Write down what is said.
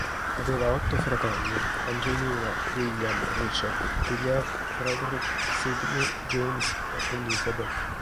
Aveva otto fratelli: Angelina, William, Richard, Juliette, Frederick, Sidney, James e Elizabeth.